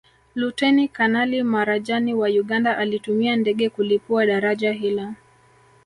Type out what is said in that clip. Luteni Kanali Marajani wa Uganda alitumia ndege kulipua daraja hilo